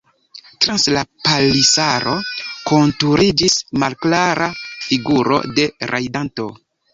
Trans la palisaro konturiĝis malklara figuro de rajdanto.